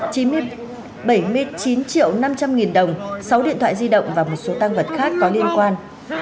bảy mươi chín triệu năm trăm linh nghìn đồng sáu điện thoại di động và một số tăng vật khác có liên quan